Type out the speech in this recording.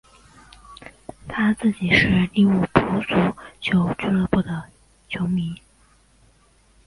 他自己是利物浦足球俱乐部的球迷。